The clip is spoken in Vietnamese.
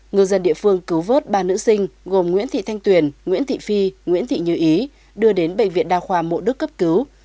người dân địa phương cứu vớt ba nữ sinh gồm nguyễn thị thanh tuyền nguyễn thị phi nguyễn thị như ý đưa đến bệnh viện đa khoa mộ đức cấp cứu